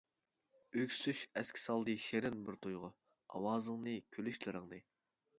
ئۆكسۈش ئەسكە سالدى شېرىن بىر تۇيغۇ، ئاۋازىڭنى، كۈلۈشلىرىڭنى.